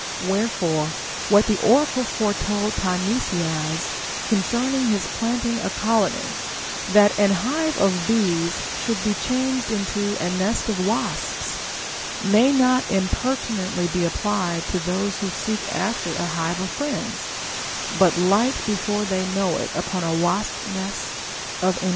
Wherefore what the oracle foretold Timesias concerning his planting a colony, that an hive of bees should be changed into a nest of Avasps, may not impertinently be applied to those who seek after a hive of friends, but light before they knoAV it upon a wasps nest of enemies.